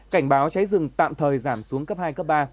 cảnh báo cháy rừng tạm thời giảm xuống cấp hai cấp ba